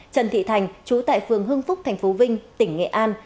trần thị thành trú tại phường hưng phúc thành phố vinh tỉnh nghệ an